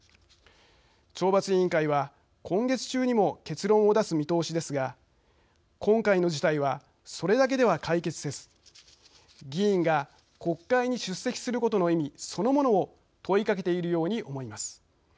懲罰委員会は今月中にも結論を出す見通しですが今回の事態はそれだけでは解決せず議員が国会に出席することの意味そのものを問いかけているように思います。